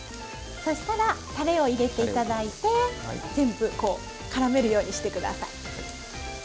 そしたらたれを入れて頂いて全部こうからめるようにして下さい。